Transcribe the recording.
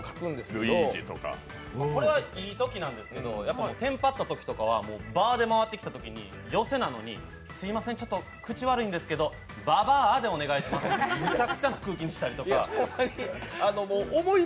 これ、いいときなんですけどテンパったときなんかは「バ」で回ってきたときに、寄席なのにすみません、ちょっと口悪いんですけど「ババア」でお願いしますとむちゃくちゃな空気にしたりとか。